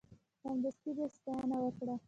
سمدستي به یې ستاینه وکړه.